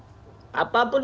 apapun pertanyaan itu